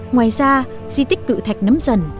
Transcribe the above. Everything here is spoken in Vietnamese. ngoài ra di tích cự thạch nấm dần